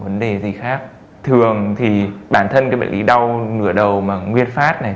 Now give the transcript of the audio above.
vấn đề gì khác thường thì bản thân cái bệnh lý đau nửa đầu mà nguyên phát này